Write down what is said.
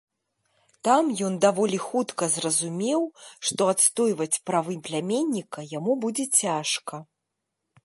Там ён даволі хутка зразумеў, што адстойваць правы пляменніка яму будзе цяжка.